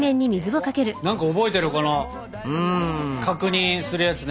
何か覚えてるこの確認するやつね。